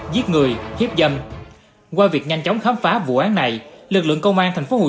giết người hiếp dâm qua việc nhanh chóng khám phá vụ án này lực lượng công an thành phố hồ